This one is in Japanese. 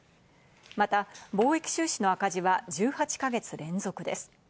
また貿易収支の赤字は１８か月連続です。